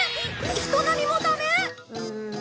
人並みもダメ？